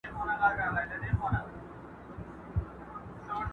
تر منګوټي لاندي به سپیني اوږې وځلېدې؛